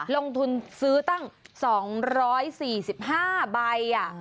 ลงทุนซื้อตั้ง๒๔๕ใบ